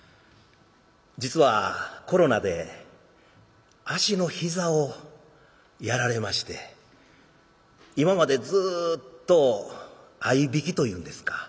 実はコロナで足の膝をやられまして今までずっと合曳というんですか